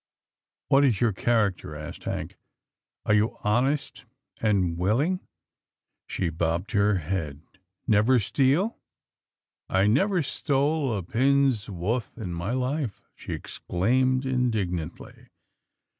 "What is your character?" asked Hank, "are you honest and willing? " She bobbed her head. "Never steal?" " I never stole a pin's wuth in my life," she ex claimed indignantly.